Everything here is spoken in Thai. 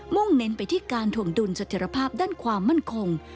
่งเน้นไปที่การถวงดุลเสถียรภาพด้านความมั่นคง